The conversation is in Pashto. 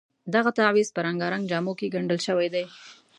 دغه تعویض په رنګارنګ جامو کې ګنډل شوی دی.